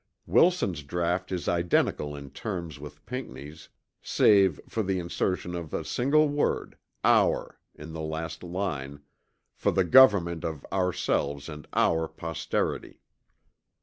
Wilson's draught is identical in terms with Pinckney's save for the insertion of a single word, "our," in the last line; "for the government of ourselves and our posterity."